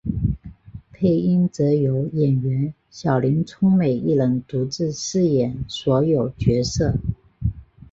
配音则由演员小林聪美一人独自饰演所有角色。